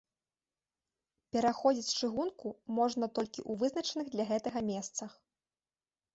Пераходзіць чыгунку можна толькі ў вызначаных для гэтага месцах.